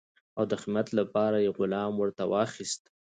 او د خدمت لپاره یې غلام ورته واخیست.